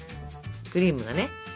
クリームがね